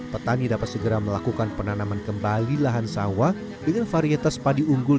petani dapat segera melakukan penanaman kembali lahan sawah dengan varietas padi unggul